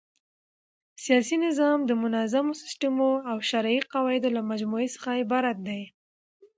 سیاسي نظام د منظمو سيسټمو او شرعي قواعدو له مجموعې څخه عبارت دئ.